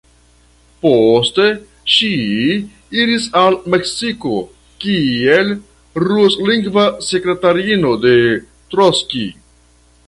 Poste ŝi iris al Meksiko kiel ruslingva sekretariino de Trockij.